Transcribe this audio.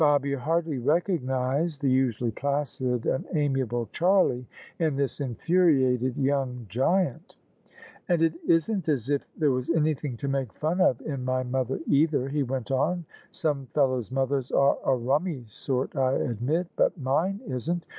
Fabia hardly recognised the usually placid and amiable Charlie in this infuriated young giant " And it isn't as if there was anything to make fun of in my mother either," he went on ;" some fellows' mothers are a rummy sort, I admit; but mine isn't.